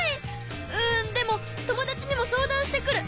うんでも友達にも相談してくる。